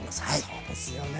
そうですよね